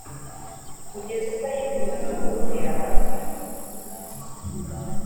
kugeza ubwo yifuzaga kumutera amatwi.